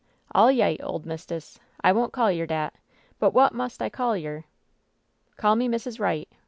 "All yight, ole mist'ess. I won't call yer dat. But wot mus' I call yer ?" "Call me Mrs. Wright.